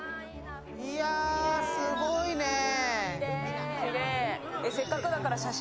いやーすごいねぇ。